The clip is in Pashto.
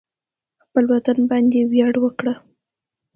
خپل وطن باندې ویاړ وکړئ